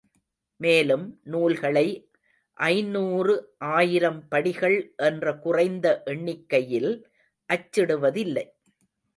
மேலும், நூல்களை ஐந்நூறு ஆயிரம் படிகள் என்ற குறைந்த எண்ணிக்கையில் அச்சிடுவதில்லை.